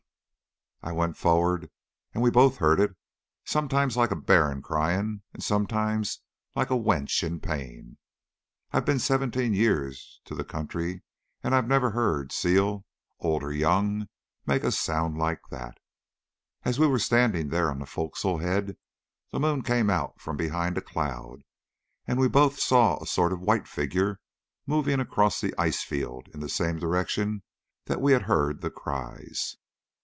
"I went forrard and we both heard it, sometimes like a bairn crying and sometimes like a wench in pain. I've been seventeen years to the country and I never heard seal, old or young, make a sound like that. As we were standing there on the foc'sle head the moon came out from behind a cloud, and we both saw a sort of white figure moving across the ice field in the same direction that we had heard the cries.